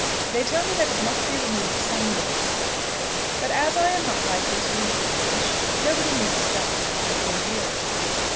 "They tell me that it must be removed some day," said the Vicar, "but as I am not likely to leave the parish, nobody need start the matter for a year or two."